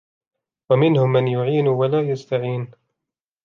وَمِنْهُمْ مَنْ يُعِينُ وَلَا يَسْتَعِينُ